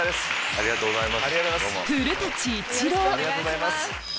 ありがとうございます。